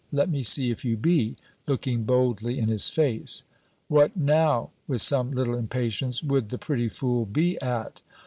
Let me see if you be;" looking boldly in his face. "What now," with some little impatience, "would the pretty fool be at?"